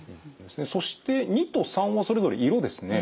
そして②と③はそれぞれ色ですね。